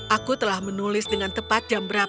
aku telah menulis dengan tepat jam berapa hari ini